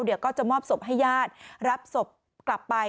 เดี๋ยวก็จะมอบศพให้ญาติรับศพกลับไป